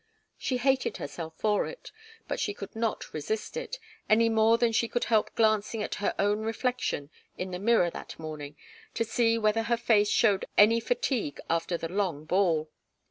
She hated herself for it, but she could not resist it, any more than she could help glancing at her own reflection in the mirror that morning to see whether her face showed any fatigue after the long ball.